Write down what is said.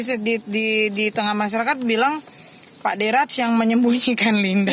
jadi kan di tengah masyarakat bilang pak derac yang menyembunyikan linda